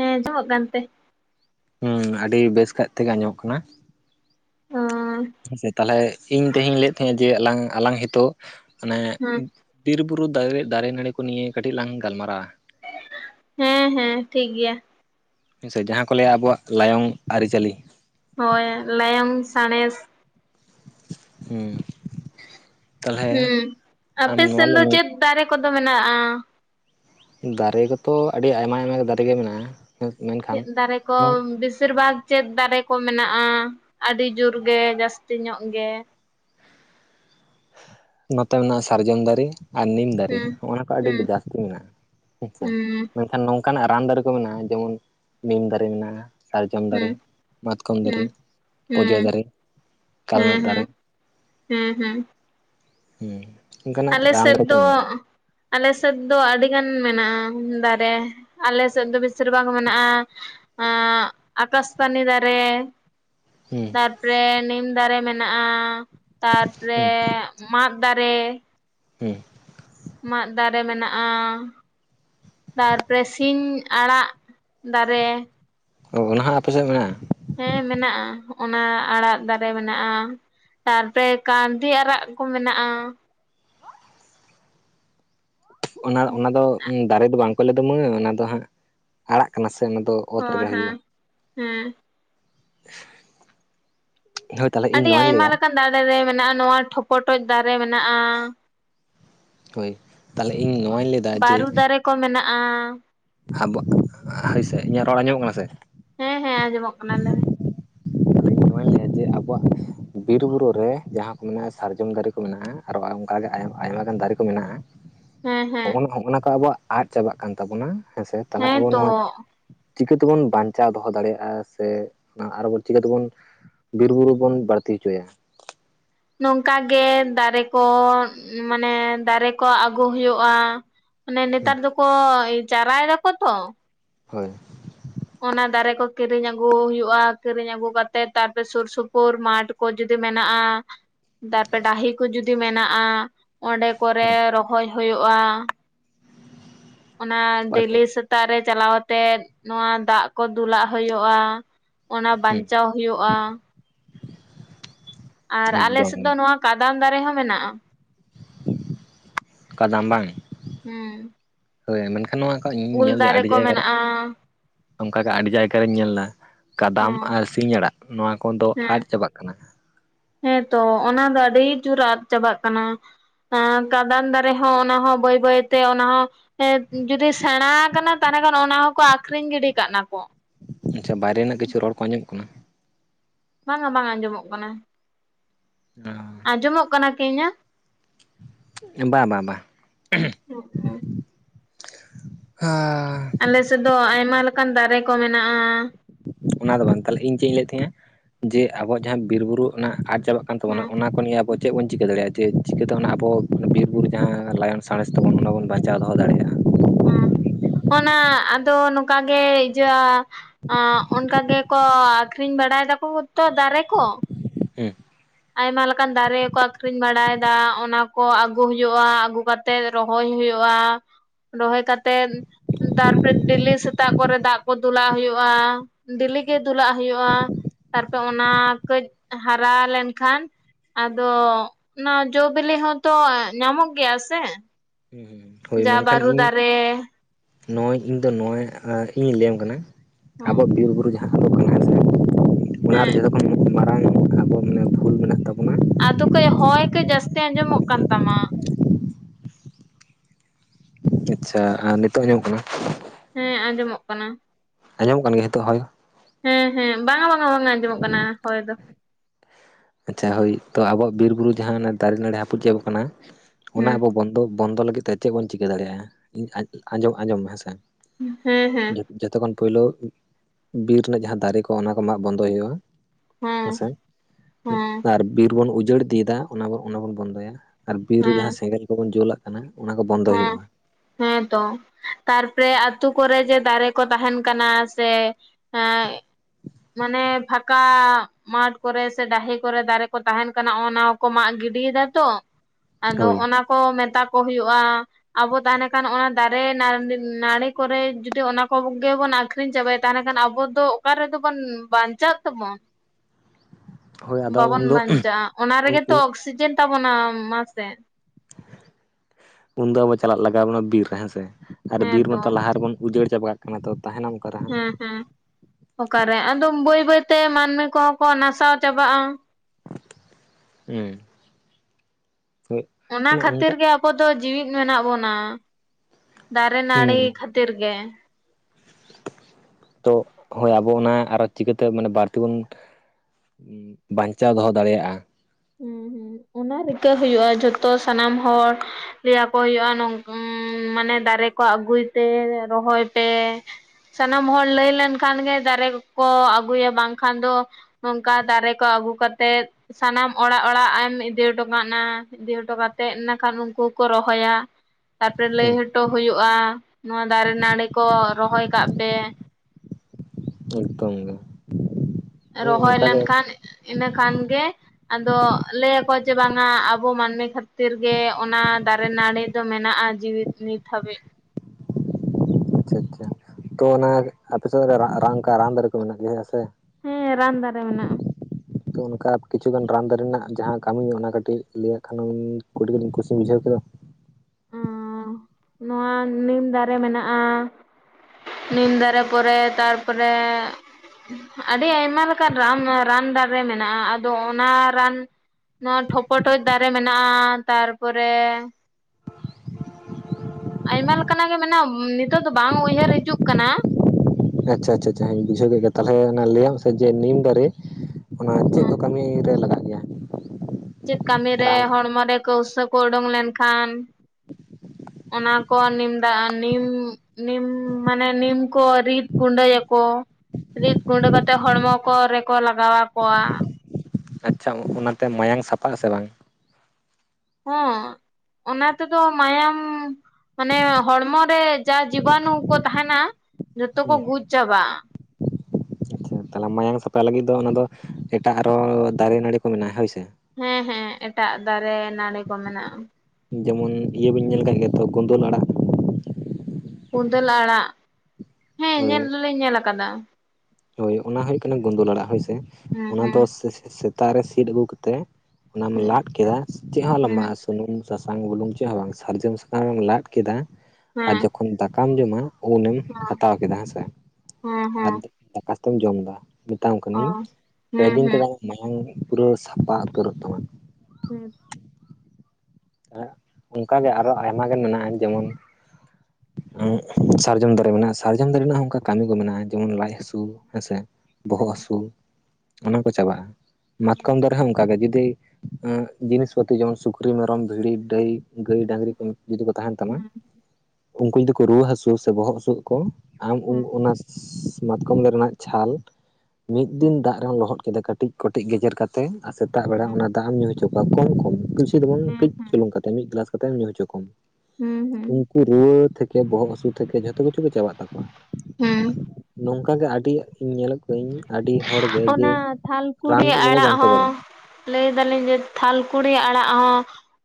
ᱦᱮᱸ ᱡᱚᱢᱚᱜ [unintelligible] ᱠᱟᱱ ᱛᱮ ᱦᱩᱸ ᱟᱹᱰᱤ ᱵᱮᱥ ᱜᱮ ᱟᱡ ᱛᱮᱜᱮ ᱚᱸᱡᱚᱢᱚᱜ ᱠᱟᱱᱟ ᱦᱚᱸ ᱦᱮᱸᱥᱮ ᱛᱟᱦᱚᱞᱮ ᱤᱧ ᱛᱮᱦᱮᱧ ᱤᱧ ᱞᱟᱹᱭ ᱮᱫ ᱛᱟᱦᱮᱱᱟ ᱡᱮ ᱟᱞᱟᱝ ᱟᱞᱟᱝ ᱦᱤᱛᱚᱜ ᱢᱟᱱᱮ ᱦᱮᱸ ᱵᱤᱨ ᱵᱩᱨᱩ ᱫᱟᱨᱮ ᱫᱟᱨᱮ ᱱᱟᱹᱲᱤ ᱠᱚ ᱱᱤᱭᱮ ᱠᱟᱹᱴᱤᱡ ᱞᱟᱝ ᱜᱟᱞᱢᱟᱨᱟᱣᱟ ᱦᱮᱸ ᱦᱮᱸ ᱴᱷᱤᱠ ᱜᱮᱭᱟ ᱦᱮᱸ ᱥᱮ ᱡᱟᱦᱟᱸ ᱠᱚ ᱞᱟᱹᱭᱟ ᱟᱵᱚᱣᱟᱜ ᱞᱟᱭᱚᱝ ᱟᱹᱨᱤᱪᱟᱹᱞᱤ ᱦᱚᱭ ᱞᱟᱭᱚᱝ ᱥᱟᱬᱮᱥ ᱦᱩᱸ ᱛᱟᱦᱚᱞᱮ ᱦᱮᱸ ᱟᱢ ᱟᱯᱮ ᱱᱚᱣᱟ ᱥᱮᱱ ᱞᱟᱹᱭ ᱫᱚ ᱢᱮ ᱪᱮᱫ ᱫᱟᱨᱮ ᱠᱚᱫᱚ ᱢᱮᱱᱟᱜ-ᱟ ᱫᱟᱨᱮ ᱠᱚᱛᱚ ᱟᱹᱰᱤ ᱟᱭᱢᱟ ᱟᱭᱢᱟ ᱫᱟᱨᱮ‌ ᱜᱮ ᱢᱮᱱᱟᱜ-ᱟ ᱫᱟᱨᱮ ᱠᱚ ᱵᱮᱥᱤᱨ ᱵᱷᱟᱜᱽ ᱪᱮᱫ ᱫᱟᱨᱮ ᱠᱚ ᱢᱮᱱᱟᱜ-ᱟ ᱟᱹᱰᱤ ᱡᱳᱨ ᱜᱮ ᱡᱟᱹᱥᱛᱤ ᱧᱚᱜ ᱜᱮ ᱱᱚᱛᱮ ᱢᱮᱱᱟᱜ-ᱟ ᱥᱟᱨᱡᱚᱢ ᱫᱟᱨᱮ ᱟᱨ ᱱᱤᱢ ᱫᱟᱨᱮ ᱦᱩᱸ ᱦᱚᱸᱜ-ᱚ ᱱᱟ ᱠᱚ ᱟᱹᱰᱤ ᱦᱩᱸ ᱡᱟᱹᱥᱛᱤ ᱢᱮᱱᱟᱜ-ᱟ ᱦᱮᱸᱥᱮ ᱦᱩᱸ ᱢᱮᱱᱠᱷᱟᱱ ᱱᱚᱝᱠᱟ ᱚᱱᱠᱟᱱᱟᱜ ᱨᱟᱱ ᱫᱟᱨᱮ ᱠᱚ ᱢᱮᱱᱟᱜ-ᱟ ᱡᱮᱢᱚᱱ ᱱᱤᱢ ᱫᱟᱨᱮ ᱢᱮᱱᱟᱜ-ᱟ ᱥᱟᱨᱡᱚᱢ ᱫᱟᱨᱮ ᱢᱟᱛᱠᱚᱢ ᱦᱩᱸ ᱫᱟᱨᱮ ᱦᱩᱸ ᱯᱚᱡᱟᱹ ᱦᱩᱸ ᱫᱟᱨᱮ ᱠᱟᱞᱢᱮᱫ ᱦᱮᱸ ᱫᱟᱨᱮ ᱦᱮᱸ ᱦᱮᱸ ᱦᱮᱸ ᱦᱩᱸ ᱚᱱᱠᱟᱱᱟᱜ ᱟᱞᱮ ᱨᱟᱱ ᱥᱮᱫ ᱫᱚᱠᱚ ᱫᱚ ᱢᱮᱱᱟᱜᱼᱟ ᱟᱞᱮ ᱥᱮᱫ ᱫᱚ ᱟᱹᱰᱤ ᱜᱟᱱ ᱢᱮᱱᱟᱜᱼᱟ ᱫᱟᱨᱮ ᱟᱞᱮ ᱥᱮᱫ ᱫᱚ ᱵᱮᱥᱤᱨ ᱵᱷᱟᱜᱽ ᱢᱮᱱᱟᱜᱼᱟ ᱟᱸ ᱟᱠᱟᱥᱵᱟᱱᱤ ᱫᱟᱨᱮ ᱦᱩᱸ ᱛᱟᱨᱯᱚᱨᱮ ᱱᱤᱢ ᱫᱟᱨᱮ ᱢᱮᱱᱟᱜᱼᱟ ᱛᱟᱨᱯᱚᱨᱮ ᱦᱩᱸ ᱢᱟᱫ ᱫᱟᱨᱮ ᱦᱩᱸ ᱢᱟᱫ ᱫᱟᱨᱮ ᱢᱮᱱᱟᱜ-ᱟ ᱛᱟᱨᱯᱚᱨᱮ ᱥᱤᱧ ᱟᱲᱟᱜ ᱫᱟᱨᱮ ᱚ ᱚᱱᱟ ᱦᱚᱸ ᱟᱯᱮ ᱥᱮᱫ ᱢᱮᱱᱟᱜ-ᱟ ᱦᱮᱸ ᱢᱮᱱᱟᱜ-ᱟ ᱚᱱᱟ ᱟᱲᱟᱜ ᱫᱟᱨᱮ ᱢᱮᱱᱟᱜᱼᱟ ᱛᱟᱨᱯᱚᱨᱮ ᱠᱟᱨᱫᱤ ᱟᱨᱟᱜ ᱠᱚ ᱢᱮᱱᱟᱜᱼᱟ ᱚᱱᱟ ᱚᱱᱟ ᱫᱚ ᱫᱟᱨᱮ ᱫᱚ ᱵᱟᱝ ᱠᱚ ᱞᱟᱹᱭ ᱫᱚ ᱢᱟᱹᱭ ᱚᱱᱟ ᱫᱚ ᱦᱟᱸᱜ ᱟᱲᱟᱜ ᱠᱟᱱᱟ ᱥᱮ ᱚᱱᱟ ᱫᱚ ᱚᱛ ᱦᱚᱭ ᱨᱮᱜᱮ ᱦᱩᱭᱩᱜᱼᱟ ᱦᱚᱭ ᱦᱮᱸ ᱦᱳᱭ ᱛᱟᱦᱚᱞᱮ ᱤᱧ ᱟᱹᱰᱤ ᱱᱚᱣᱟᱧ ᱟᱭᱢᱟ ᱞᱟᱹᱭᱟ ᱞᱮᱠᱟᱱ ᱫᱟᱨᱮ ᱨᱮ ᱢᱮᱱᱟᱜ-ᱟ ᱱᱚᱣᱟ ᱴᱷᱚᱯᱚᱴᱚᱡ ᱫᱟᱨᱮ ᱢᱮᱱᱟᱜ-ᱟ ᱦᱳᱭ ᱛᱟᱦᱚᱞᱮ ᱤᱧ ᱱᱚᱣᱟᱹᱧ ᱞᱟᱹᱭ ᱮᱫᱟ ᱡᱮ ᱵᱟᱹᱨᱩ ᱫᱟᱨᱮ ᱠᱚ ᱢᱮᱱᱟᱜ-ᱟ ᱟᱵᱚ ᱦᱳᱭ ᱥᱮ ᱤᱧᱟᱹᱜ ᱨᱚᱲ ᱟᱸᱡᱚᱢᱚᱜ ᱠᱟᱱᱟ ᱥᱮ ᱦᱮᱸ ᱦᱮᱸ ᱟᱸᱡᱚᱢᱚᱜ ᱠᱟᱱᱟ ᱞᱟᱹᱭ ᱢᱮ ᱥᱮ ᱟᱵᱚᱣᱟᱜ ᱵᱤᱨ ᱵᱩᱨᱩ ᱨᱮ ᱡᱟᱦᱟᱸ ᱠᱚ ᱢᱮᱱᱟᱜ-ᱟ ᱥᱟᱨᱡᱚᱢ ᱫᱟᱨᱮ ᱠᱚ ᱢᱮᱱᱟᱜ-ᱟ ᱟᱨ ᱵᱟᱝ ᱚᱱᱠᱟ ᱜᱮ ᱟᱭᱢᱟ ᱜᱟᱱ ᱫᱟᱨᱮ ᱠᱚ ᱢᱮᱱᱟᱜ-ᱟ ᱦᱮᱸ ᱦᱮᱸ ᱦᱚᱸᱜ-ᱚᱭ ᱦᱚᱸᱜ-ᱱᱟ ᱠᱚ ᱟᱵᱚᱣᱟᱜ ᱟᱫ ᱪᱟᱵᱟᱜ ᱠᱟᱱ ᱛᱟᱵᱚᱱᱟ ᱦᱮᱸ ᱥᱮ ᱛᱟᱦᱚᱞᱮ ᱟᱵᱚ ᱱᱚᱣᱟ ᱪᱤᱠᱟᱹ ᱛᱮᱵᱚᱱ ᱵᱟᱧᱪᱟᱣ ᱫᱚᱦᱚ ᱫᱟᱲᱮᱭᱟᱜ-ᱟ ᱥᱮ ᱚᱱᱟ ᱟᱨᱦᱚᱸ ᱪᱤᱠᱟᱹ ᱛᱮ ᱵᱚᱱ ᱵᱤᱨ ᱵᱩᱨᱩ ᱵᱚᱱ ᱵᱟᱹᱲᱛᱤ ᱦᱚᱪᱚᱭᱟ ᱱᱚᱝᱠᱟ ᱜᱮ ᱫᱟᱨᱮ ᱠᱚ ᱢᱟᱱᱮ ᱫᱟᱨᱮ ᱠᱚ ᱟᱹᱜᱩ ᱦᱩᱭᱩᱜᱼᱟ ᱢᱟᱱᱮ ᱦᱮᱸ ᱱᱮᱛᱟᱨ ᱫᱚ ᱠᱚ ᱪᱟᱨᱟ ᱮᱫᱟ ᱠᱚ ᱛᱚ ᱦᱳᱭ ᱚᱱᱟ ᱫᱟᱨᱮ ᱠᱚ ᱠᱤᱨᱤᱧ ᱟᱹᱜᱩ ᱦᱩᱭᱩᱜ-ᱟ ᱠᱤᱨᱤᱧ ᱟᱹᱜᱩ ᱠᱟᱛᱮ ᱛᱟᱨᱯᱚᱨ ᱥᱩᱨ ᱥᱩᱯᱩᱨ ᱢᱟᱴᱷ ᱠᱚ ᱡᱩᱫᱤ ᱢᱮᱱᱟᱜ-ᱟ ᱛᱟᱨᱯᱚᱨᱮ ᱰᱟᱦᱤ ᱠᱚ ᱡᱩᱫᱤ ᱢᱮᱱᱟᱜ-ᱟ ᱚᱸᱰᱮ ᱠᱚᱨᱮ ᱨᱚᱦᱚᱭ ᱦᱩᱭᱩᱜ-ᱟ ᱚᱱᱟ ᱟᱪᱪᱷᱟ ᱰᱮᱞᱤ ᱟᱪᱪᱷᱟ ᱥᱮᱛᱟᱜ ᱨᱮ ᱪᱟᱞᱟᱣ ᱠᱟᱛᱮ ᱱᱚᱣᱟ ᱫᱟᱜ ᱠᱚ ᱫᱩᱞᱟᱜ ᱦᱩᱭᱩᱜ-ᱟ ᱚᱱᱟ ᱦᱮᱸ ᱵᱟᱧᱪᱟᱣ ᱦᱩᱭᱩᱜ-ᱟ ᱟᱨ ᱟᱞᱮ ᱮᱠᱫᱚᱢ ᱥᱮᱫ ᱫᱚ ᱱᱚᱣᱟ ᱠᱟᱫᱟᱢ ᱫᱟᱨᱮ ᱦᱚᱸ ᱢᱮᱱᱟᱜ-ᱟ ᱚᱠᱟᱫᱟᱢ ᱵᱟᱝ ᱦᱩᱸ ᱦᱮᱸ ᱢᱮᱱᱠᱷᱟᱱ ᱱᱚᱣᱟ ᱤᱧ ᱩᱞ ᱧᱮᱞ ᱫᱟ ᱫᱟᱨᱮ ᱟᱹᱰᱤ ᱠᱚ ᱡᱟᱭᱜᱟ ᱨᱮ ᱢᱮᱱᱟᱜᱼᱟ ᱚᱱᱠᱟ ᱜᱮ ᱟᱹᱰᱤ ᱡᱟᱭᱜᱟ ᱨᱤᱧ ᱧᱮᱞᱫᱟ ᱠᱟᱫᱟᱢ ᱦᱩᱸ ᱟᱨ ᱥᱤᱧ ᱟᱲᱟᱜ ᱱᱚᱣᱟ ᱠᱚᱫᱚ ᱦᱮᱸ ᱟᱫᱽ ᱪᱟᱵᱟᱜ ᱠᱟᱱᱟ᱾ ᱦᱮᱸᱛᱚ ᱚᱱᱟ ᱫᱚ ᱟᱹᱰᱤ ᱡᱩᱨ ᱟᱫᱽ ᱪᱟᱵᱟᱜ ᱠᱟᱱᱟ [unintelligible] ᱠᱟᱫᱟᱢ ᱫᱟᱨᱮ ᱦᱚᱸ ᱚᱱᱟ ᱦᱚᱸ ᱵᱟᱹᱭ ᱵᱟᱹᱭᱛᱮ ᱚᱱᱟ ᱦᱚᱸ ᱮᱫᱽ ᱡᱩᱫᱤ ᱥᱮᱬᱟ ᱠᱟᱱᱟ ᱛᱟᱦᱞᱮ ᱠᱷᱟᱱ ᱚᱱᱟ ᱦᱚᱸᱠᱚ ᱟᱠᱷᱨᱤᱧ ᱜᱤᱰᱤ ᱠᱟᱜ ᱠᱟᱱᱟ ᱠᱚ ᱟᱪᱪᱷᱟ ᱵᱟᱭᱨᱮ ᱨᱮᱱᱟᱜ ᱠᱤᱪᱷᱩ ᱨᱚᱲ ᱠᱚ ᱟᱸᱡᱚᱜ ᱠᱟᱱᱟ ᱵᱟᱝᱼ ᱟ ᱵᱟᱝ ᱟᱡᱚᱢᱚᱜ ᱠᱟᱱᱟ [unintelligible] ᱟᱸᱡᱚᱢᱚᱜ ᱠᱟᱱᱟ ᱠᱤ ᱤᱧᱟᱹᱜ ᱵᱟᱸ ᱵᱟᱸ ᱵᱟᱸ ᱟᱞᱮ ᱥᱮᱫᱽ ᱫᱚ ᱟᱭᱢᱟ ᱞᱮᱠᱟᱱ ᱫᱟᱨᱮ ᱠᱚ ᱢᱮᱱᱟᱜᱼᱟ᱾ ᱚᱱᱟ ᱫᱚ ᱵᱟᱝ ᱛᱟᱦᱚᱞᱮ ᱤᱧ ᱪᱮᱫ ᱤᱧ ᱞᱟᱹᱭᱮᱫ ᱛᱟᱦᱮᱸᱱᱟ ᱡᱮ ᱟᱵᱚ ᱡᱟᱦᱟᱸ ᱵᱤᱨ ᱵᱩᱨᱩ ᱚᱱᱟ ᱟᱫᱽ ᱪᱟᱵᱟᱜ ᱠᱟᱱ ᱛᱟᱵᱚᱱᱟ ᱦᱮᱸ ᱚᱱᱟ ᱠᱚ ᱱᱤᱭᱟ ᱟᱵᱚ ᱪᱮᱫ ᱵᱚᱱ ᱪᱤᱠᱟᱹ ᱫᱟᱲᱮᱭᱟᱜᱼᱟ ᱡᱮ ᱪᱤᱠᱟᱹᱛᱮ ᱟᱵᱚ ᱵᱤᱨᱵᱩᱨᱩ ᱡᱟᱦᱟᱸ ᱞᱟᱭᱚᱱ ᱥᱟᱬᱮᱥ ᱛᱟᱵᱚᱱ ᱚᱱᱟ ᱵᱚᱱ ᱵᱟᱧᱪᱟᱣ ᱫᱚᱦᱚ ᱫᱟᱲᱮᱭᱟᱜᱼᱟ ᱦᱚᱱ ᱚᱱᱟ ᱟᱫᱚ ᱱᱚᱝᱠᱟ ᱜᱮ ᱤᱡᱟ ᱚᱸ ᱚᱱᱠᱟ ᱜᱮᱠᱚ ᱟᱠᱷᱨᱤᱧ ᱵᱟᱲᱟᱭ ᱫᱟᱠᱚ ᱛᱚ ᱫᱟᱨᱮ ᱠᱚ ᱦᱩᱸ ᱟᱭᱢᱟ ᱞᱮᱠᱟᱱ ᱫᱟᱨᱮ ᱠᱚ ᱟᱠᱷᱨᱤᱧ ᱵᱟᱲᱟᱭᱮᱫᱟ ᱚᱱᱟ ᱠᱚ ᱟᱹᱜᱩ ᱦᱳᱭᱳᱜᱼᱟ ᱟᱹᱜᱩ ᱠᱟᱛᱮ ᱛᱮ ᱨᱚᱦᱚᱭ ᱦᱩᱭᱩᱜᱼᱟ ᱨᱚᱦᱚᱭ ᱠᱟᱛᱮᱫ ᱛᱟᱨᱯᱚᱨᱮ ᱰᱮᱞᱤ ᱥᱮᱛᱟᱜ ᱠᱚᱨᱮ ᱫᱟᱜᱽ ᱠᱚ ᱫᱩᱞᱟᱜ ᱦᱩᱭᱩᱜᱼᱟ ᱰᱮᱞᱤ ᱜᱮ ᱫᱩᱞᱟᱜ ᱦᱩᱭᱩᱜᱼᱟ ᱛᱟᱨᱯᱚᱨ ᱚᱱᱟ ᱠᱟᱹᱡᱽ ᱦᱟᱨᱟ ᱞᱮᱱ ᱠᱷᱟᱱ ᱟᱫᱚ ᱚᱱᱟ ᱡᱚ ᱵᱤᱞᱤ ᱦᱚᱸᱛᱚ ᱧᱟᱢᱚᱜ ᱜᱮᱭᱟ ᱥᱮ ᱦᱩᱸ ᱦᱩᱸᱦᱳᱭ ᱡᱟ ᱢᱮᱱᱠᱷᱟᱱ ᱵᱟᱹᱨᱩ ᱤᱧ ᱫᱟᱨᱮ ᱱᱚᱜᱼ ᱚᱭ ᱤᱧ ᱫᱚ ᱱᱚᱭ ᱤᱧ ᱞᱟᱹᱭᱟᱢ ᱠᱟᱱᱟ ᱦᱮᱸ ᱟᱵᱚᱣᱟᱜ ᱵᱤᱨ ᱵᱩᱨᱩ ᱡᱟᱸᱦᱟ [unintelligible] ᱚᱱᱟ ᱦᱮᱸ ᱡᱮᱨᱚᱠᱚᱢ ᱢᱟᱨᱟᱝ ᱟᱵᱚ ᱵᱷᱩᱞ ᱢᱮᱱᱟᱜ ᱛᱟᱵᱚᱱᱟ ᱟᱫᱚ ᱠᱟᱹᱡᱽ ᱦᱚᱭ ᱠᱟᱹᱡᱽ ᱡᱟᱹᱥᱛᱤ ᱟᱸᱡᱚᱢᱚᱜ ᱠᱟᱱ ᱛᱟᱢᱟ ᱟᱪᱪᱷᱟ ᱟᱨ ᱱᱤᱛᱚᱜ ᱟᱸᱡᱚᱢᱚᱜ ᱠᱟᱱᱟ ᱦᱮᱸ ᱟᱸᱡᱚᱢᱚᱜ ᱠᱟᱱᱟ ᱟᱸᱡᱚᱢ ᱠᱟᱱ ᱜᱮᱭᱟ ᱱᱤᱛᱚᱜ ᱦᱳᱭ ᱦᱮᱸ ᱦᱮᱸ ᱵᱟᱝ ᱵᱟᱝᱼᱟ ᱵᱟᱝᱼᱟ ᱟᱸᱡᱚᱢᱚᱜ ᱠᱟᱱᱟ ᱦᱚᱭ ᱫᱚ ᱟᱪᱪᱷᱟ ᱦᱳᱭ ᱛᱚ ᱟᱵᱚᱣᱟᱜ ᱵᱤᱨ ᱵᱩᱨᱩ ᱡᱟᱦᱟᱸ ᱫᱟᱨᱮ ᱱᱟᱹᱲᱤ ᱦᱟᱹᱯᱩᱫ ᱪᱟᱵᱟᱜ ᱠᱟᱱᱟ ᱚᱱᱟ ᱦᱮᱸ ᱟᱵᱚ ᱵᱚᱱᱫᱚ ᱵᱚᱱᱫᱚ ᱞᱟᱹᱜᱤᱫ ᱛᱮ ᱪᱮᱫ ᱵᱚᱱ ᱪᱤᱠᱟᱹ ᱫᱟᱲᱮᱭᱟᱜᱼᱟ ᱤᱧ ᱟᱸᱡᱚᱢ ᱟᱸᱡᱚᱢ ᱢᱮ ᱦᱮᱸᱥᱮ ᱦᱮᱸ ᱦᱮᱸ ᱡᱚᱛᱚ ᱠᱷᱚᱱ ᱯᱩᱭᱞᱳ ᱵᱤᱨ ᱨᱮᱱᱟᱜ ᱡᱟᱦᱟᱸ ᱫᱟᱨᱮ ᱠᱚ ᱚᱱᱟ ᱠᱚ ᱢᱟᱜᱽ ᱵᱚᱱᱫᱚᱭ ᱦᱳᱭᱳᱜᱼᱟ ᱦᱮᱸ ᱦᱮᱸᱥᱮ ᱦᱮᱸ ᱟᱨ ᱵᱤᱨ ᱵᱚᱱ ᱩᱡᱟᱹᱲ ᱤᱫᱤᱭᱮᱫᱟ ᱚᱱᱟ ᱚᱱᱟ ᱵᱚᱱ ᱵᱚᱱᱫᱚᱭᱟ ᱟᱨ ᱵᱤᱨ ᱨᱮ ᱡᱟᱦᱟᱸ ᱦᱮᱸ ᱥᱮᱸᱜᱮᱞ ᱠᱚᱵᱚᱱ ᱡᱩᱞᱟᱜ ᱚᱱᱟ ᱠᱚ ᱵᱚᱱᱫᱚᱭ ᱦᱮᱸ ᱦᱩᱭᱳᱩᱜᱼᱟ᱾ ᱦᱮᱸ ᱛᱚ ᱛᱟᱨᱯᱚᱨᱮ ᱟᱹᱛᱩ ᱠᱚᱨᱮ ᱡᱮ ᱫᱟᱨᱮ ᱠᱚ ᱛᱟᱦᱮᱱ ᱠᱟᱱᱟ ᱥᱮ ᱦᱮᱸ ᱢᱟᱱᱮ ᱯᱷᱟᱠᱟ ᱢᱟᱴ ᱠᱚᱨᱮ ᱥᱮ ᱰᱟᱹᱦᱤ ᱠᱚᱨᱮ ᱫᱟᱨᱮ ᱠᱚ ᱛᱟᱦᱮᱱ ᱠᱟᱱᱟ ᱚᱱᱟᱠᱚ ᱢᱟᱜᱽ ᱜᱤᱰᱤᱭᱮᱫᱟ ᱛᱚ ᱟᱫᱚ ᱦᱳᱭ ᱚᱱᱟ ᱠᱚ ᱢᱮᱛᱟ ᱠᱚ ᱦᱩᱭᱳᱩᱜᱼᱟ ᱟᱵᱚ ᱛᱟᱦᱮᱱᱮ ᱠᱷᱟᱱ ᱚᱱᱟ ᱫᱟᱨᱮ ᱱᱟᱹᱲᱤ ᱠᱚᱨᱮ ᱡᱩᱫᱤ ᱚᱱᱟ ᱠᱚᱜᱮ ᱵᱚᱱ ᱟᱠᱷᱨᱤᱧ ᱪᱟᱵᱟᱭᱛᱟ ᱛᱟᱦᱞᱮ ᱠᱷᱟᱱ ᱟᱵᱚ ᱫᱚ ᱚᱠᱟ ᱨᱮᱵᱚᱱ ᱵᱟᱧᱪᱟᱜ ᱛᱟᱵᱚᱱ [inaudible] ᱦᱳᱭ ᱟᱫᱚ ᱵᱟᱵᱚᱱ ᱩᱱᱫᱚ ᱵᱟᱧᱪᱟᱜᱼᱟ ᱚᱱᱟ ᱨᱮᱜᱮ ᱛᱚ ᱚᱠᱥᱤᱡᱮᱱ ᱛᱟᱵᱚᱱ ᱢᱟᱥᱮ ᱩᱱ ᱫᱚ ᱟᱵᱚ ᱪᱟᱞᱟᱜ ᱞᱟᱜᱟᱣ ᱵᱚᱱᱟ ᱵᱤᱨ ᱦᱮᱸᱥᱮ ᱟᱨ ᱦᱮᱸ ᱵᱤᱨ ᱛᱚ ᱢᱟᱛᱚ ᱞᱟᱦᱟ ᱨᱮᱵᱚᱱ ᱩᱡᱟᱹᱲ ᱪᱟᱵᱟᱜ ᱠᱟᱱᱟ ᱛᱚ ᱛᱟᱦᱮᱱᱟᱢ ᱚᱠᱟ ᱨᱮ ᱦᱮᱸ ᱦᱮᱸ ᱚᱠᱟᱨᱮ ᱟᱫᱚᱢ ᱵᱟᱹᱭ ᱵᱟᱹᱭ ᱛᱮ ᱢᱟᱹᱱᱢᱤ ᱠᱚᱦᱚᱸ ᱠᱚ ᱱᱟᱥᱟᱣ ᱪᱟᱵᱟᱜᱼᱟ ᱦᱩᱸ ᱚᱱᱟ ᱠᱷᱟᱹᱛᱤᱨ ᱜᱮ ᱟᱵᱚ ᱫᱚ ᱡᱤᱶᱤᱫ ᱢᱮᱱᱟᱜ ᱵᱚᱱᱟ ᱫᱟᱨᱮ ᱦᱮᱸ ᱱᱟᱹᱲᱤ ᱠᱷᱟᱹᱛ ᱛᱤᱨ ᱜᱮ ᱛᱚ ᱦᱳᱭ ᱟᱵᱚ ᱚᱱᱟ ᱟᱨᱚ ᱪᱤᱠᱟᱹᱛᱮ ᱢᱟᱱᱮ ᱵᱟᱹᱲᱛᱤ ᱵᱚᱱ ᱵᱟᱧᱪᱟᱣ ᱫᱚᱦᱚ ᱫᱟᱲᱮᱭᱟᱜᱼᱟ ᱦᱩᱸ ᱦᱩᱸ ᱚᱱᱟ ᱨᱤᱠᱟᱹ ᱦᱩᱭᱩᱜᱼᱟ ᱡᱷᱚᱛᱚ ᱥᱟᱱᱟᱢ ᱦᱚᱲ ᱞᱟᱹᱭᱟᱠᱚ ᱦᱩᱭᱩᱜᱼᱟ ᱢᱟᱱᱮ ᱫᱟᱨᱮ ᱠᱚ ᱟᱹᱜᱩᱭ ᱯᱮ ᱨᱚᱦᱚᱭ ᱯᱮ ᱥᱟᱱᱟᱢ ᱦᱚᱲ ᱞᱟᱹᱭ ᱞᱮᱱᱠᱷᱟᱱ ᱜᱮ ᱫᱟᱨᱮ ᱠᱚᱠᱚ ᱟᱹᱜᱩᱭᱟ ᱵᱟᱝᱠᱷᱟᱱ ᱫᱚ ᱱᱚᱝᱠᱟ ᱫᱟᱨᱮ ᱠᱚ ᱟᱹᱜᱩ ᱠᱟᱛᱮᱜ ᱥᱟᱱᱟᱢ ᱚᱲᱟᱜ ᱚᱲᱟᱜ ᱮᱢ ᱤᱫᱤ ᱦᱚᱴᱚ ᱠᱟᱜᱼᱠᱟᱱᱟ ᱤᱫᱤ ᱦᱚᱴᱚ ᱠᱟᱛᱮᱫ ᱱᱟ ᱠᱷᱟᱱ ᱩᱱᱠᱩ ᱠᱚ ᱨᱚᱦᱚᱭᱟ ᱛᱟᱨᱯᱚᱨᱮ ᱞᱟᱹᱭ ᱦᱮᱸ ᱦᱚᱴᱚ ᱦᱩᱭᱩᱜᱼᱟ ᱱᱚᱣᱟ ᱫᱟᱨᱮ ᱱᱟᱹᱲᱤ ᱠᱚ ᱨᱚᱦᱚᱭ ᱠᱟᱜ ᱯᱮ ᱮᱠᱫᱚᱢ ᱜᱮ ᱦᱳᱭ ᱨᱚᱦᱚᱭ ᱚᱱᱠᱟᱜᱮ ᱞᱮᱱᱠᱷᱟᱱ ᱤᱱᱟᱹ ᱠᱷᱟᱱ ᱜᱮ ᱟᱫᱚ ᱞᱟᱹᱭᱟᱠᱚᱣᱟ ᱡᱮ ᱵᱟᱝᱟ ᱟᱵᱚ ᱢᱟᱹᱱᱢᱤ ᱠᱷᱟᱹᱛᱤᱨ ᱛᱤᱨ ᱜᱮ ᱚᱱᱟ ᱫᱟᱨᱮ ᱱᱟᱹᱲᱤ ᱫᱚ ᱢᱮᱱᱟᱜᱼᱟ ᱡᱤᱣᱤᱫ ᱱᱤᱛ ᱦᱟᱹᱵᱤᱡ ᱟᱪᱪᱷᱟ ᱟᱪᱪᱷᱟ ᱛᱚ ᱚᱱᱟ ᱟᱯᱮ ᱥᱮᱫ ᱨᱮ ᱨᱟᱝᱠᱟ ᱨᱟᱱ ᱫᱟᱨᱮ ᱠᱚ ᱢᱮᱱᱟᱜ ᱜᱮᱭᱟ ᱥᱮ ᱦᱮᱸ ᱨᱟᱱ ᱫᱟᱨᱮ ᱢᱮᱱᱟᱜᱼᱟ ᱛᱚ ᱚᱱᱠᱟ ᱠᱤᱪᱷᱩᱜᱟᱱ ᱨᱟᱱ ᱫᱟᱨᱮ ᱨᱮᱱᱟᱜ ᱡᱟᱦᱟᱸ ᱠᱟᱹᱢᱤ ᱚᱱᱟ ᱠᱟᱹᱴᱤᱡ ᱞᱟᱹᱭᱟᱜ ᱠᱷᱟᱱ ᱱᱮᱢ ᱠᱩᱫᱤᱜᱟᱱ ᱠᱩᱥᱤᱧ ᱵᱩᱡᱷᱟᱹᱣ ᱠᱮᱫᱟ ᱱᱚᱣᱟ ᱱᱤᱢ ᱫᱟᱨᱮ ᱢᱮᱱᱟᱜᱼᱟ ᱱᱤᱢ ᱫᱟᱨᱮ ᱯᱚᱨᱮ ᱛᱟᱨᱯᱚᱨᱮ ᱟᱹᱰᱤ ᱟᱭᱢᱟ ᱞᱮᱠᱟᱱ ᱨᱟᱱ ᱨᱟᱱ ᱫᱟᱨᱮ ᱢᱮᱱᱟᱜᱼᱟ ᱟᱫᱚ ᱚᱱᱟ ᱨᱟᱱ ᱱᱚᱣᱟ ᱴᱷᱚᱯᱚ ᱴᱚᱡ ᱫᱟᱨᱮ ᱢᱮᱱᱟᱜᱼᱟ ᱛᱟᱨᱯᱚᱨᱮ ᱟᱭᱢᱟ ᱞᱮᱠᱟᱱᱟᱜ ᱜᱮ ᱢᱮᱱᱟᱜᱼᱟ ᱱᱤᱛᱚᱜ ᱫᱚ ᱵᱟᱝ ᱩᱭᱦᱟᱹᱨ ᱦᱤᱡᱩᱜ ᱠᱟᱱᱟ ᱟᱪᱪᱷᱟ ᱟᱪᱪᱷᱟ ᱡᱟᱦᱟᱧ ᱵᱩᱡᱷᱟᱹᱣ ᱠᱮᱫ ᱜᱮᱭᱟ ᱛᱟᱦᱚᱞᱮ ᱚᱱᱟ ᱞᱟᱹᱭᱟᱜᱢᱮ ᱥᱮ ᱡᱮ ᱱᱤᱢ ᱫᱟᱨᱮ ᱚᱱᱟ ᱪᱮᱫ ᱠᱚ ᱠᱟᱹᱢᱤᱨᱮ ᱞᱟᱜᱟᱜ ᱜᱮᱭᱟ ᱪᱮᱫ ᱠᱟᱹᱢᱤᱨᱮ ᱨᱟᱱ ᱦᱚᱲᱢᱚ ᱨᱮ ᱠᱟᱹᱣᱥᱟᱹ ᱠᱚ ᱩᱰᱩᱝ ᱞᱮᱱᱠᱷᱟᱱ ᱚᱱᱟ ᱠᱚ ᱱᱤᱢ ᱫᱟᱜ ᱱᱤᱢ ᱱᱤᱢ ᱢᱟᱱᱮ ᱱᱤᱢ ᱠᱚ ᱨᱤᱫ ᱜᱩᱸᱰᱟᱹᱭᱟᱠᱚ ᱨᱤᱫ ᱜᱩᱸᱰᱟᱹ ᱠᱟᱛᱮᱜ ᱦᱚᱲᱢᱚ ᱠᱚᱨᱮᱠᱚ ᱞᱟᱜᱟᱣ ᱟᱠᱚᱣᱟ ᱟᱪᱪᱷᱟ ᱚᱱᱟᱛᱮ ᱢᱟᱭᱟᱝ ᱥᱟᱯᱷᱟᱜ ᱟᱥᱮ ᱵᱟᱝ ᱦ ᱚᱱᱟ ᱛᱮᱫᱚ ᱢᱟᱭᱟᱢ ᱢᱟᱱᱮ ᱦᱚᱲᱢᱚ ᱨᱮ ᱡᱟ ᱡᱤᱵᱟᱱᱩ ᱠᱚ ᱛᱟᱦᱮᱱᱟ ᱡᱚᱛᱚ ᱠᱚ ᱦᱩᱸ ᱜᱩᱡ ᱪᱟᱵᱟᱜᱼᱟ ᱟᱪᱪᱷᱟ ᱛᱟᱦᱚᱞᱮ ᱢᱟᱭᱟᱝ ᱥᱟᱯᱷᱟ ᱞᱟᱹᱜᱤᱫ ᱫᱚ ᱚᱱᱟ ᱫᱚ ᱮᱴᱟᱜ ᱟᱨᱚ ᱫᱟᱨᱮ ᱱᱟᱹᱲᱤ ᱠᱚ ᱢᱮᱱᱟᱜᱼᱟ ᱦᱳᱭᱥᱮ ᱦᱮᱸ ᱦᱮᱸ ᱮᱴᱟᱜ ᱫᱟᱨᱮ ᱱᱟᱹᱲᱤ ᱠᱚ ᱢᱮᱱᱟᱜᱼᱟ ᱡᱮᱢᱚᱱ ᱤᱭᱟᱹ ᱵᱤᱱ ᱧᱮᱞ ᱟᱠᱟᱫ ᱜᱮᱭᱟ ᱛᱚ ᱜᱳᱫᱚᱞ ᱟᱲᱟᱜ ᱠᱩᱸᱫᱟᱹᱞ ᱟᱲᱟᱜ ᱦᱮᱸ ᱦᱳᱭ ᱧᱮᱞ ᱫᱚᱞᱤᱧ ᱧᱮᱞ ᱟᱠᱟᱫᱟ ᱦᱳᱭ ᱚᱱᱟ ᱦᱳᱭᱳᱜ ᱠᱟᱱᱟ ᱜᱳᱫᱳᱞ ᱟᱲᱟᱜ ᱦᱳᱭᱥᱮ ᱦᱩᱸ ᱚᱱᱟ ᱦᱩᱸ ᱫᱚ ᱥᱮᱛᱟᱜ ᱨᱮ ᱥᱤᱫ ᱟᱹᱜᱩ ᱠᱟᱛᱮᱜ ᱚᱱᱟᱢ ᱦᱩᱸ ᱞᱟᱫ ᱠᱮᱫᱟ ᱪᱮᱫ ᱦᱚᱸ ᱟᱞᱚᱢ ᱦᱩᱸ ᱮᱢᱟᱜᱼᱟ ᱥᱩᱱᱩᱢ ᱥᱟᱥᱟᱝ ᱵᱩᱞᱩᱝ ᱪᱮᱫ ᱦᱚᱸ ᱵᱟᱝ ᱥᱟᱨᱡᱚᱢ ᱥᱟᱠᱟᱢ ᱮᱢ ᱞᱟᱫ ᱠᱮᱫᱟ ᱦᱮᱸ ᱟᱨ ᱦᱮᱸ ᱡᱚᱠᱷᱚᱱ ᱫᱟᱠᱟᱢ ᱡᱚᱢᱟ ᱩᱱᱮᱢ ᱦᱟᱛᱟᱣ ᱠᱮᱫᱟ ᱦᱮᱸ ᱥᱮ ᱦᱮᱸ ᱟᱨ ᱦᱮᱸ ᱫᱟᱠᱟᱛᱢ ᱡᱚᱢ ᱮᱫᱟ ᱢᱮᱛᱟᱢ ᱠᱟᱱᱟᱹᱧ ᱯᱮᱫᱤᱱ ᱛᱮᱜᱮ ᱟᱢᱟᱜ ᱢᱟᱭᱟᱝ ᱯᱩᱨᱟᱹ ᱥᱟᱯᱟ ᱩᱛᱟᱹᱨᱚᱜ ᱛᱟᱢᱟ ᱦᱮᱸ ᱚᱱᱠᱟᱜᱮ ᱟᱨᱚ ᱟᱭᱢᱟᱜᱟᱱ ᱢᱮᱱᱟᱜᱼᱟ ᱡᱮᱢᱚᱱ ᱥᱟᱨᱡᱚᱢ ᱫᱟᱨᱮ ᱢᱮᱱᱟᱜᱼᱟ ᱥᱟᱨᱡᱚᱢ ᱫᱟᱨᱮ ᱨᱮᱱᱟᱜ ᱦᱚᱸ ᱚᱱᱠᱟ ᱠᱟᱹᱢᱤ ᱠᱚ ᱢᱮᱱᱟᱜᱼᱟ ᱡᱮᱢᱚᱱ ᱞᱟᱡ ᱦᱟᱹᱥᱩ ᱦᱮᱸᱥᱮ ᱵᱚᱦᱚᱜ ᱦᱟᱹᱥᱩ ᱚᱱᱟ ᱠᱚ ᱪᱟᱵᱟᱜᱼᱟ ᱢᱟᱛᱠᱚᱢ ᱫᱟᱨᱮ ᱦᱚᱸ ᱚᱱᱠᱟ ᱜᱮ ᱡᱩᱫᱤ ᱡᱤᱥᱯᱟᱹᱛᱤ ᱡᱮᱢᱚᱱ ᱥᱩᱠᱨᱤ ᱢᱮᱨᱚᱢ ᱵᱷᱤᱲᱤ ᱰᱟᱹᱭ ᱜᱟᱹᱭ ᱰᱟᱝᱨᱤ ᱠᱚ ᱡᱩᱫᱤ ᱠᱚ ᱛᱟᱦᱮᱱ ᱛᱟᱢᱟ ᱩᱱᱠᱩ ᱡᱩᱫᱤ ᱠᱚ ᱨᱩᱣᱟᱹ ᱦᱟᱹᱥᱩ ᱥᱮ ᱵᱚᱦᱚᱜ ᱦᱟᱹᱥᱩᱜ ᱠᱚ ᱟᱢ ᱩᱱ ᱚᱱᱟ ᱢᱟᱛᱠᱚᱢ ᱨᱮᱱᱟᱜ ᱪᱷᱟᱞ ᱢᱤᱫ ᱫᱤᱱ ᱫᱟᱜ ᱨᱮᱢ ᱞᱚᱦᱚᱫ ᱠᱮᱫᱟ ᱠᱟᱹᱴᱤᱡ ᱠᱚᱴᱤᱡ ᱜᱮᱡᱮᱨ ᱠᱟᱛᱮ ᱛᱮ ᱟᱨ ᱥᱮᱛᱟᱜ ᱵᱮᱲᱟ ᱚᱱᱟ ᱫᱟᱜᱮᱢ ᱧᱩ ᱦᱚᱪᱚ ᱠᱚᱣᱟ ᱠᱚᱢ ᱠᱚᱢ ᱛᱩᱞᱥᱤ ᱫᱚᱵᱟᱝ ᱠᱟᱹᱡ ᱪᱩᱞᱩᱝ ᱠᱟᱛᱮᱫ ᱢᱤᱫ ᱜᱞᱟᱥ ᱠᱟᱛᱮᱢ ᱧᱩ ᱦᱚᱪᱚ ᱠᱚᱢ ᱩᱱᱠᱩ ᱨᱩᱣᱟᱹ ᱛᱷᱮᱠᱮ ᱵᱚᱦᱚᱜ ᱦᱟᱥᱩ ᱛᱷᱮᱠᱮ ᱡᱚᱛᱷᱚ ᱠᱤᱪᱷᱩ ᱜᱮ ᱪᱟᱵᱟᱜ ᱛᱟᱠᱚᱣᱟ ᱦᱮᱸ ᱱᱚᱝᱠᱟ ᱜᱮ ᱟᱹᱰᱤ ᱧᱮᱞᱮᱫ ᱠᱩᱣᱤᱧ ᱟᱹᱰᱤ ᱦᱚᱲ ᱜᱮ ᱡᱮ ᱚᱱᱟ ᱨᱟᱱ ᱛᱷᱟᱞᱠᱩᱲᱤ ᱠᱚ ᱜᱚᱜᱚ ᱟᱲᱟᱜ ᱵᱟᱝ ᱠᱚ ᱵᱟᱲᱟᱭᱟ ᱦᱚᱸ ᱞᱟᱹᱭ ᱫᱟᱹᱞᱤᱧ ᱡᱮ ᱛᱷᱟᱞ ᱠᱩᱲᱤ ᱟᱲᱟᱜ ᱦᱚᱸ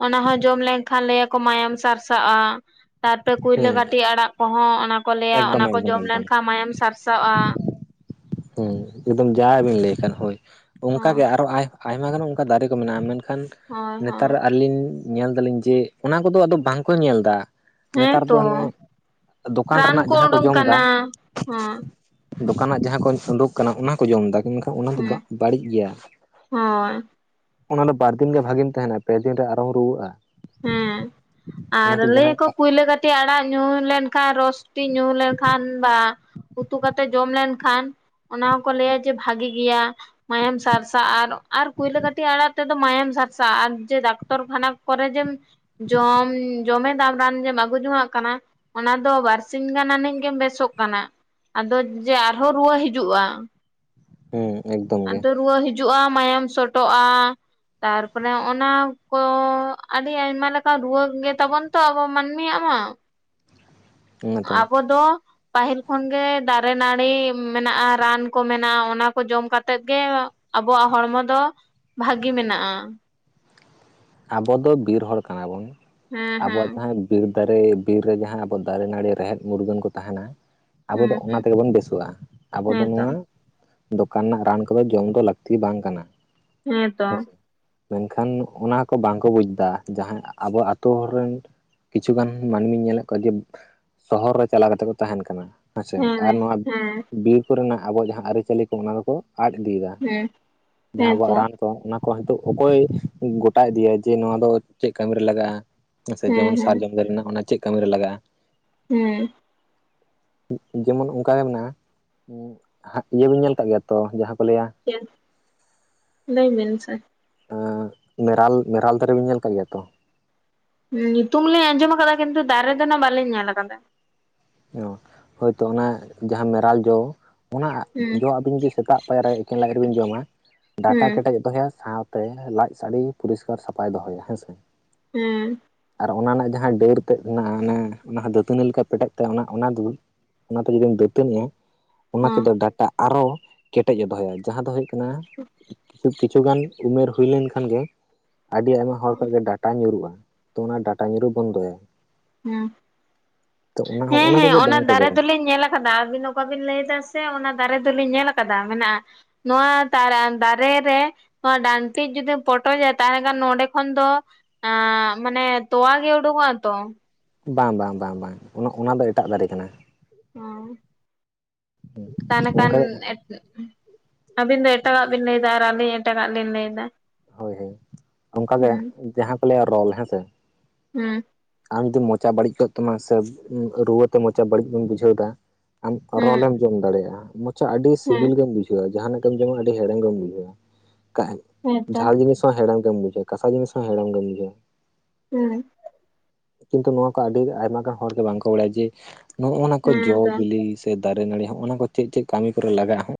ᱚᱱᱟ ᱦᱚᱸ ᱡᱚᱢ ᱞᱮᱱᱠᱷᱟᱱ ᱞᱟᱹᱭᱭᱟᱠᱚ ᱢᱟᱭᱟᱢ ᱥᱟᱨᱥᱟᱜᱼᱟ ᱾ ᱛᱟᱨ ᱛᱮ ᱠᱩᱭᱞᱟᱹ ᱦᱮᱸ ᱠᱟᱹᱴᱤ ᱟᱲᱟᱜ ᱠᱚᱦᱚᱸ ᱚᱱᱟ ᱠᱚ ᱞᱟᱹᱭᱟ ᱮᱠᱫᱚᱢ ᱚᱱᱟ ᱠᱚ ᱮᱠᱫᱚᱢ ᱡᱚᱢ ᱞᱮᱱ ᱮᱠᱫᱚᱢ ᱠᱷᱟᱱ ᱢᱟᱭᱟᱢ ᱥᱟᱨᱥᱟᱜᱼᱟ᱾ ᱦᱮᱸ ᱮᱠᱫᱚᱢ ᱡᱟᱵᱤᱱ ᱞᱟᱹᱭ ᱠᱟᱫ ᱦᱳᱭ ᱚᱝᱠᱟ ᱦᱚᱸ ᱜᱮ ᱟᱨᱚ ᱟᱭ ᱟᱭᱢᱟ ᱜᱟᱱ ᱚᱱᱠᱟ ᱫᱟᱨᱮ ᱠᱚ ᱢᱮᱱᱟᱜᱼᱟ ᱢᱮᱱᱠᱷᱟᱱ ᱦᱳᱭ ᱦᱳᱭ ᱱᱮᱛᱟᱨ ᱟᱹᱞᱤᱧ ᱧᱮᱞ ᱫᱟᱹᱞᱤᱧ ᱡᱮ ᱚᱱᱟ ᱠᱚᱫᱚ ᱟᱫᱚ ᱵᱟᱝᱠᱚ ᱧᱮᱞ ᱫᱟ᱾ ᱱᱮᱛᱟᱨ ᱦᱮᱸ ᱫᱚ ᱛᱚ ᱦᱟᱱᱮ ᱫᱚᱠᱟᱱ ᱨᱟᱱ ᱨᱮᱱᱟᱜ ᱡᱟᱦᱟᱸ ᱠᱚ ᱩᱰᱩᱝ ᱡᱚᱢ ᱫᱟ, ᱠᱟᱱᱟ ᱦᱚᱸ ᱫᱚᱠᱟᱱᱟᱜ ᱡᱟᱦᱟᱸ ᱠᱚᱧ ᱩᱰᱩᱠ ᱠᱟᱱᱟ ᱚᱱᱟ ᱠᱚ ᱡᱚᱢ ᱫᱟ, ᱢᱮᱱᱠᱷᱟᱱ ᱚᱱᱟ ᱫᱚ ᱦᱩᱸ ᱵᱟᱹᱲᱤᱡ ᱜᱮᱭᱟ᱾ ᱦᱳᱭ ᱚᱱᱟ ᱫᱚ ᱵᱟᱨ ᱫᱤᱱ ᱜᱮ ᱵᱷᱟᱜᱤᱢ ᱛᱟᱦᱮᱸᱱᱟ, ᱯᱮ ᱫᱤᱱ ᱨᱮ ᱟᱨᱦᱚᱢ ᱨᱩᱣᱟᱹᱜᱼᱟ ᱾ ᱦᱮᱸ ᱟᱨ ᱞᱟᱹᱭ ᱟᱠᱚ ᱠᱩᱭᱞᱟᱹ ᱠᱟᱹ ᱴᱤ ᱟᱲᱟᱜ ᱧᱩ ᱞᱮᱱᱠᱷᱟᱱ ᱨᱚᱥᱴᱤ ᱧᱩ ᱞᱮᱱᱠᱷᱟᱱ ᱵᱟ ᱩᱛᱩ ᱠᱟᱛᱮ ᱡᱚᱢ ᱞᱮᱱᱠᱷᱟᱱ ᱚᱱᱟ ᱦᱚᱸᱠᱚ ᱞᱟᱹᱭᱟ ᱡᱮ ᱵᱷᱟᱜᱤ ᱜᱮᱭᱟ᱾ ᱢᱟᱭᱟᱢ ᱥᱟᱨᱥᱟ ᱟᱨ ᱟᱨ ᱠᱩᱭᱞᱟᱹ ᱠᱟᱹᱴᱤ ᱟᱲᱟᱜ ᱛᱮᱫᱚ ᱢᱟᱭᱟᱢ ᱥᱟᱨᱥᱟ ᱟᱨ ᱡᱮ ᱰᱟᱠᱛᱚᱨ ᱠᱷᱟᱱᱟ ᱠᱚᱨᱮ ᱡᱮᱢ ᱡᱚᱢ ᱡᱚᱢᱮ ᱫᱟᱢ ᱨᱟᱱ ᱡᱮᱢ ᱟᱹᱜᱩ ᱡᱚᱝᱟᱜ ᱠᱟᱱᱟ, ᱚᱱᱟ ᱫᱚ ᱵᱟᱨᱥᱤᱧ ᱜᱟᱱ ᱟᱹᱱᱤᱡ ᱜᱮᱢ ᱵᱮᱥᱚᱜ ᱠᱟᱱᱟ, ᱟᱫᱚ ᱡᱮ ᱟᱨᱦᱚᱸ ᱨᱩᱣᱟᱹ ᱦᱤᱡᱩᱜᱼᱟ ᱾ ᱦᱩᱸ ᱮᱠᱫᱚᱢ ᱜᱮ ᱟᱫᱚ ᱨᱩᱣᱟᱹ ᱦᱤᱡᱩᱜᱼᱟ ᱢᱟᱭᱟᱢ ᱥᱚᱴᱚᱜᱼᱟ᱾ ᱛᱟᱨᱯᱚᱨᱮ ᱚᱱᱟ ᱠᱚ ᱟᱹᱰᱤ ᱟᱭᱢᱟ ᱞᱮᱠᱟ ᱨᱩᱣᱟᱹ ᱜᱮᱛᱟᱵᱚᱱ ᱛᱚ ᱟᱵᱚ ᱢᱟᱹᱱᱢᱤᱭᱟᱜ ᱢᱟ ᱾ ᱚᱱᱟᱛᱚ ᱟᱵᱚ ᱫᱚ ᱯᱟᱹᱦᱤᱞ ᱠᱷᱚᱱᱜᱮ ᱫᱟᱨᱮ ᱱᱟᱹᱲᱤ ᱢᱮᱱᱟᱜᱼᱟ, ᱨᱟᱱ ᱠᱚ ᱢᱮᱱᱟᱜᱼᱟ, ᱚᱱᱟᱠᱚ ᱡᱚᱢ ᱠᱟᱛᱮᱜ ᱜᱮ ᱟᱵᱚᱣᱟᱜ ᱦᱚᱲᱢᱚ ᱫᱚ ᱵᱷᱟᱹᱜᱤ ᱢᱮᱱᱟᱜᱼᱟ ᱾ ᱟᱵᱚ ᱫᱚ ᱵᱤᱨ ᱦᱚᱲ ᱠᱟᱱᱟᱵᱚᱱ ᱦᱮᱸ ᱦᱮᱸ ᱟᱵᱚᱣᱟᱜ ᱡᱟᱦᱟᱸ ᱵᱤᱨ ᱫᱟᱨᱮ ᱵᱤᱨ ᱨᱮ ᱡᱟᱦᱟᱸ ᱟᱵᱚ ᱫᱟᱨᱮ ᱱᱟᱹᱲᱤ ᱨᱮᱦᱮᱫ ᱢᱩᱨᱜᱟᱹᱱ ᱠᱚ ᱛᱟᱦᱮᱱᱟ, ᱟᱵᱚ ᱦᱮᱸ ᱫᱚ ᱚᱱᱟ ᱦᱮᱸ ᱛᱮᱜᱮ ᱵᱚᱱ ᱵᱮᱥᱚᱜᱼᱟ ᱾ ᱟᱵᱚ ᱫᱚ ᱦᱮᱸᱛᱚ ᱱᱚᱣᱟ ᱫᱚᱠᱟᱱ ᱨᱮᱱᱟᱜ ᱨᱟᱱ ᱠᱚᱫᱚ ᱡᱚᱢ ᱫᱚ ᱞᱟᱹᱠᱛᱤ ᱵᱟᱝ ᱠᱟᱱᱟ ᱦᱮᱸᱛᱚ ᱦᱮᱸᱥᱮ᱾ ᱢᱮᱱᱠᱷᱟᱱ ᱚᱱᱟ ᱠᱚ ᱵᱟᱝᱠᱚ ᱵᱩᱡᱽ ᱫᱟ, ᱡᱟᱦᱟᱸᱭ ᱟᱵᱚ ᱟ ᱟᱹᱛᱩᱳ ᱨᱮᱱ ᱠᱤᱪᱷᱩᱜᱟᱱ ᱢᱟᱹᱱᱢᱤᱧ ᱧᱮᱞᱮᱫ ᱠᱚᱣᱟ ᱡᱮ, ᱥᱚᱦᱚᱨ ᱨᱮ ᱪᱟᱞᱟᱣ ᱠᱟᱛᱮ ᱠᱚ ᱛᱟᱦᱮᱸᱱ ᱠᱟᱱᱟ ᱦᱮᱸᱪᱮ, ᱦᱮᱸ ᱟᱨ ᱦᱮᱸ ᱱᱚᱣᱟ ᱦᱮᱸ ᱵᱤᱨ ᱠᱚ ᱨᱮᱱᱟᱜ ᱟᱵᱚᱣᱟᱜ ᱡᱟᱦᱟᱸ ᱟᱹᱨᱤᱪᱟᱹᱞᱤ ᱠᱚ ᱚᱱᱟ ᱫᱚᱠᱚ ᱟᱫ ᱤᱫᱤᱭᱮᱫᱟ, ᱡᱟᱦᱟᱸ ᱟᱵᱚᱣᱟᱜ ᱦᱮᱸᱛᱚ ᱨᱟᱱ ᱛᱚ ᱚᱱᱟ ᱠᱚ ᱦᱤᱛᱚᱜ ᱚᱠᱚᱭ ᱜᱚᱴᱟ ᱤᱫᱤᱭᱤᱭᱟ ᱡᱮ ᱱᱚᱣᱟ ᱫᱚ ᱪᱮᱫ ᱠᱟᱹᱢᱤᱨ ᱨᱮ ᱞᱟᱜᱟᱜᱼᱟ ᱾ ᱦᱮᱸ ᱥᱮ ᱡᱮᱢᱚᱱ ᱥᱟᱨᱡᱚᱢ ᱫᱟᱨᱮ ᱨᱮᱱᱟᱜ ᱚᱱᱟ ᱪᱮᱫ ᱠᱟᱹᱢᱤ ᱨᱮ ᱞᱟᱜᱟᱜᱼᱟ᱾ ᱦᱮᱸ ᱡᱮᱢᱚᱱ ᱚᱱᱠᱟᱜᱮ ᱢᱮᱱᱟᱜᱼᱟ, ᱤᱭᱟᱹ ᱵᱤᱱ ᱧᱮᱞ ᱠᱟᱜ ᱜᱮᱭᱟ ᱛᱚ ᱡᱟᱦᱟᱸ ᱠᱚ ᱞᱟᱹᱭᱟ, ᱪᱮᱫ ᱞᱟᱹᱭ ᱵᱤᱱ ᱥᱮ, [unintelligible] ᱢᱮᱨᱟᱞ ᱢᱮᱨᱟᱞ ᱫᱟᱨᱮᱵᱤᱱ ᱧᱮᱞ ᱟᱠᱟᱫ ᱜᱮᱭᱟ ᱛᱚ? ᱧᱩᱛᱩᱢ ᱞᱤᱧ ᱟᱸᱡᱚᱢ ᱟᱠᱟᱫᱟ ᱠᱤᱱᱛᱩ ᱫᱟᱨᱮ ᱫᱚᱱᱟᱜ ᱵᱟᱞᱤᱧ ᱧᱮᱞ ᱟᱠᱟᱫᱟ᱾ ᱚ ᱦᱳᱭᱛᱚ ᱚᱱᱟ ᱡᱟᱦᱟᱸ ᱢᱮᱨᱟᱞ ᱡᱚ ᱚᱱᱟ ᱦᱩᱸ ᱫᱚ ᱟᱹᱵᱤᱱ ᱜᱮ ᱛᱟᱜ ᱯᱟᱭᱟᱨ ᱮᱠᱷᱮᱱ ᱞᱟᱡ ᱨᱮᱵᱤᱱ ᱡᱚᱢᱟ ᱰᱟᱴᱟ ᱦᱩᱸ ᱠᱮᱴᱮᱡᱚᱜ ᱫᱚᱦᱚᱭᱟ ᱥᱟᱶ ᱛᱮ ᱞᱟᱡ ᱥᱟᱰᱮ ᱯᱚᱨᱤᱥᱠᱟᱨ ᱥᱟᱯᱷᱟᱭ ᱫᱚᱦᱚᱭᱟ ᱦᱮᱸᱥᱮ᱾ ᱦᱮᱸ ᱟᱨ ᱚᱱᱟ ᱨᱮᱱᱟᱜ ᱡᱟᱦᱟᱸ ᱰᱟᱹᱨ ᱛᱮᱫ [unintelligible] ᱚᱱᱟ ᱚᱱᱟ ᱦᱚᱸ ᱫᱟᱹᱛᱟᱹᱱᱤ ᱞᱮᱠᱟ ᱯᱮᱴᱮᱡ, ᱚᱱᱟ ᱚᱱᱟ ᱫᱩᱧ ᱚᱱᱟᱛᱮ ᱡᱩᱫᱤᱢ ᱫᱟᱹᱛᱟᱹᱱᱮᱜᱼᱟ ᱚᱱᱟ ᱦᱚᱸ ᱛᱮᱫᱚ ᱰᱟ ᱴᱟᱜ ᱟᱨᱚ ᱠᱮᱴᱮᱡ ᱮ ᱫᱚᱦᱚᱭᱟ ᱡᱟᱦᱟᱸ ᱫᱚ ᱦᱩᱭᱩᱜ ᱠᱟᱱᱟ, ᱠᱤᱪᱷᱩᱜᱟᱱ ᱩᱢᱮᱨ ᱦᱩᱭ ᱞᱮᱱ ᱠᱷᱟᱱ ᱜᱮ ᱟᱹᱰᱤ ᱟᱭᱢᱟ ᱦᱚᱲ ᱠᱚ ᱜᱮ ᱰᱟ ᱴᱟ ᱧᱩᱨᱩᱜᱼᱟ ᱛᱚ ᱚᱱᱟ ᱰᱟᱴᱟ ᱧᱩᱨᱩᱜ ᱵᱚᱱᱫᱚᱭᱟ ᱾ [unintelligible] ᱚᱱᱟ ᱦᱚᱸᱜᱼᱚ ᱦᱮᱸ ᱱᱟ ᱦᱮᱸ ᱠᱚᱜᱮ ᱚᱱᱟ ᱵᱟᱝᱠᱚ ᱫᱟᱨᱮ ᱵᱟᱲᱟᱭᱟ ᱫᱚᱞᱮ ᱧᱮᱞᱟ ᱠᱟᱫᱟ ᱟᱹᱵᱤᱱ ᱚᱠᱟ ᱵᱤᱱ ᱞᱟᱹᱭ ᱮᱫᱟ ᱥᱮ ᱚᱱᱟ ᱫᱟᱨᱮ ᱫᱚᱞᱤᱧ ᱧᱮᱞ ᱟᱠᱟᱫᱟ ᱢᱮᱱᱟᱜᱼᱟ᱾ ᱱᱚᱣᱟ ᱛᱟᱨᱟ ᱫᱟᱨᱮ ᱨᱮ, ᱱᱚᱣᱟ ᱰᱟᱱᱴᱤᱡ ᱡᱩᱫᱤᱢ ᱯᱚᱴᱚᱡᱟ ᱛᱟᱦᱚᱞᱮ ᱠᱷᱟᱱ ᱱᱚᱰᱮ ᱠᱷᱚᱱ ᱫᱚ ᱟᱸ ᱢᱟᱱᱮ ᱛᱚᱣᱟ ᱜᱮ ᱩᱰᱩ ᱠᱚᱜᱼᱟ ᱛᱚ ᱵᱟᱝ ᱵᱟᱝ ᱵᱟᱝ ᱵᱟᱝ ᱚᱱᱟ ᱚᱱᱟ ᱫᱚ ᱮᱴᱟᱜ ᱫᱟᱨᱮ ᱠᱟᱱᱟ᱾ ᱦᱚᱸ ᱛᱟᱦᱚᱞᱮ ᱠᱷᱟᱱ ᱚᱱᱠᱟ ᱦᱳᱭ ᱮᱸᱫ ᱟᱹᱵᱤᱱ ᱫᱚ ᱮᱴᱟᱜᱟᱜ ᱵᱤᱱ ᱞᱟᱹᱭᱫᱟ ᱟᱨ ᱟᱹᱞᱤᱧ ᱮᱴᱟᱜᱟᱜ ᱞᱤᱧ ᱞᱟᱹᱭᱫᱟ ᱦᱳᱭ ᱦᱳᱭ ᱚᱝᱠᱟ ᱜᱮ ᱦᱩᱸ ᱡᱟᱦᱟᱸ ᱠᱚ ᱞᱟᱹᱭᱟ ᱨᱚᱞ ᱦᱮᱸᱥᱮ ᱦᱩᱸ ᱟᱢ ᱡᱩᱫᱤ ᱢᱚᱪᱟ ᱵᱟᱹᱲᱤᱡ ᱠᱚᱜ ᱛᱟᱢᱟ ᱥᱮ ᱮᱸ ᱨᱩᱣᱟᱹ ᱛᱮ ᱢᱚᱪᱟ ᱵᱟᱹᱲᱤᱡ ᱜᱮᱢ ᱵᱩᱡᱷᱟᱹᱣ ᱫᱟ ᱟᱢ ᱦᱩᱸ ᱨᱚᱞᱮᱢ ᱡᱚᱢ ᱫᱟᱲᱮᱭᱟᱜᱼᱟ ᱢᱚᱪᱟ ᱟᱹᱰᱤ ᱦᱩᱸ ᱥᱤᱵᱤᱞ ᱜᱮᱢ ᱵᱩᱡᱷᱟᱹᱣᱟᱼᱟ ᱡᱟᱦᱟᱱᱟᱜ ᱜᱮᱢ ᱡᱚᱢᱟ ᱟᱹᱰᱤ ᱦᱮᱲᱮᱢ ᱜᱮᱢ ᱵᱩᱡᱷᱟᱹᱣᱟ ᱠᱷᱟᱡ ᱦᱮᱸ ᱦᱮᱸ ᱛᱚ ᱡᱷᱟᱞ ᱡᱤᱱᱤᱥ ᱦᱚᱸ ᱦᱮᱲᱮᱢ ᱜᱮᱢ ᱵᱩᱡᱷᱟᱹᱣᱟ ᱠᱟᱥᱟ ᱡᱤᱱᱤᱥ ᱦᱚᱸ ᱦᱮᱲᱮᱢ ᱜᱮᱢ ᱵᱩᱡᱷᱟᱹᱣᱟ ᱦᱮᱸ ᱠᱤᱱᱛᱩ ᱱᱚᱣᱟ ᱠᱚ ᱟᱹᱰᱤ ᱟᱭᱢᱟ ᱜᱟᱱ ᱦᱚᱲ ᱫᱚ ᱵᱟᱝᱠᱚ ᱵᱟᱲᱟᱭᱟ ᱡᱮ ᱱᱚᱜᱼᱚ ᱱᱟ ᱠᱚ ᱦᱮᱸ ᱡᱚ ᱛᱚ ᱵᱤᱞᱤ ᱫᱟᱨᱮ ᱱᱟᱹᱲᱤ ᱦᱚᱸᱜᱼ ᱚ ᱱᱟ ᱠᱚ ᱪᱮᱫ ᱪᱮᱫ ᱠᱟᱹᱢᱤ ᱠᱚᱨᱮ ᱞᱟᱜᱟᱜᱼᱟ ᱦᱚᱸ